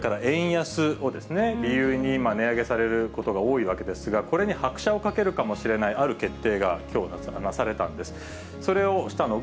原材料価格の高騰とか、それから円安を理由に値上げされることが多いわけですが、これに拍車をかけるかもしれないある決定が、きょう、出されたんです。